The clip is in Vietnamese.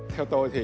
theo tôi thì